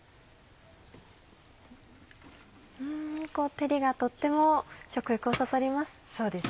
照りがとっても食欲をそそります。